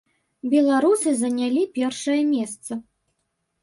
Беларусы занялі першае месца.